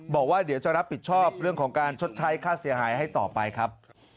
บอกว่าเดี๋ยวจะรับผิดชอบเรื่องของการชดใช้ค่าเสียหายให้ต่อไปครับ